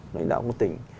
đại đạo của tỉnh